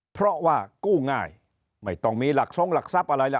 เพราะว่ากู้ง่ายไม่ต้องมีหลักทรงหลักทรัพย์อะไรล่ะ